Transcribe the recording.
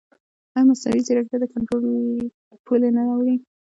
ایا مصنوعي ځیرکتیا د کنټرول له پولې نه اوړي؟